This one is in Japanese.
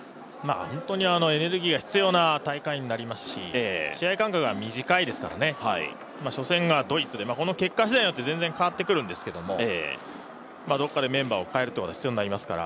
エネルギーが必要な大会になりますし試合間隔が短いですから、初戦がドイツでこの結果次第によって全然変わってくるんですけど、どこかでメンバーをかえることが必要になりますから